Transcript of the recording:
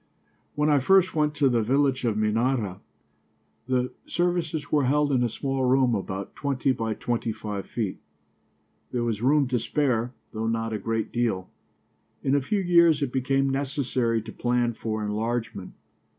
When I first went to the village of Minyara, the services were held in a small room about twenty by twenty five feet. There was room to spare, though not a great deal. In a few years it became necessary to plan for enlargement.